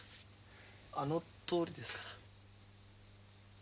あのとおりですから。